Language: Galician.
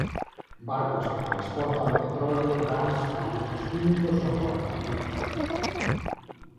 Barcos que transportan petróleo, gas, produtos químicos ou radioactivos.